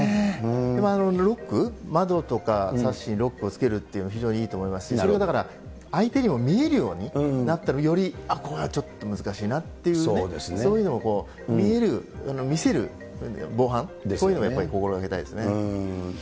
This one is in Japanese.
でもロック、窓とかサッシにロックをつけるっていうのは非常にいいと思いますし、それはだから、相手にも見えるようになったら、より、ああ、これはちょっと難しいなっていうね、そういうのを見える、見せる防犯、こういうのをやっぱり心がけたいですね。